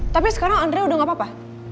tapi sekarang andre udah gak apa apa